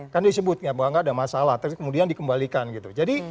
kan disebut ya bahwa gak ada masalah terus kemudian dikembalikan gitu